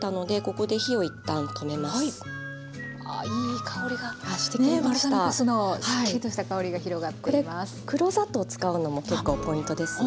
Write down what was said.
これ黒砂糖使うのも結構ポイントですね。